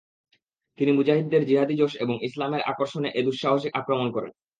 তিনি মুজাহিদদের জিহাদী জোশ এবং ইসলামের আকর্ষণে এ দুঃসাহসিক আক্রমণ করেন।